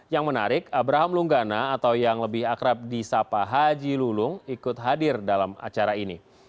yang menarik abraham lunggana atau yang lebih akrab di sapa haji lulung ikut hadir dalam acara ini